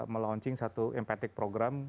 melunching satu program